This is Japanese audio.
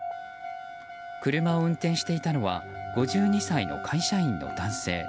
車を運転していたのは５２歳の会社員の男性。